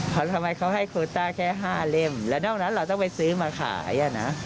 เพราะทำไมเขาให้โคต้าแค่๕เล่มแล้วนอกนั้นเราต้องไปซื้อมาขายอ่ะนะ